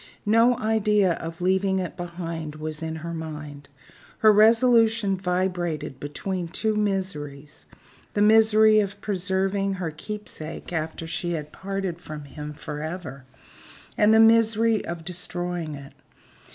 No idea of leaving it behind her was in her mind. Her resolution vibrated between two miseries the misery of preserving her keep sake after she had parted from him forever, and the misery of destroying it.